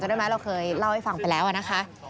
ได้ไหมเราเคยเล่าให้ฟังไปแล้วนะคะ